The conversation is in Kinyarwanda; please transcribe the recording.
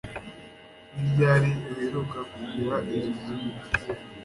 Ni ryari uheruka kugira inzozi mbi?